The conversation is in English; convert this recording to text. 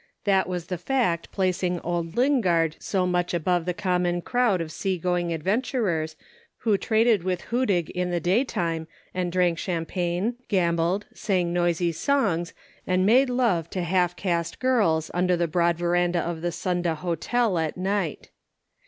That was the fact placing old Lingard so much above the common crowd of sea going adventurers who traded with Hudig in the daytime and drank champagne, gambled, sang noisy songs, and made love to half caste girls under the broad verandah of the Sunda Hotel at night.